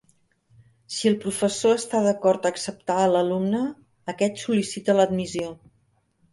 Si el professor està d'acord a acceptar a l'alumne, aquest sol·licita l'admissió.